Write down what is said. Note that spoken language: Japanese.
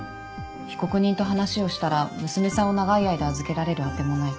被告人と話をしたら娘さんを長い間預けられる当てもないって。